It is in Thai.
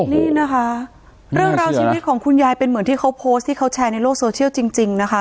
นี่นะคะเรื่องราวชีวิตของคุณยายเป็นเหมือนที่เขาโพสต์ที่เขาแชร์ในโลกโซเชียลจริงนะคะ